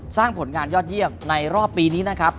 สร้างผลงานยอดเยี่ยมในรอบปีนี้นะครับ